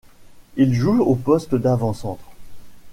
Il joue au poste d'avant-centre.